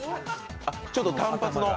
あ、ちょっと短髪の？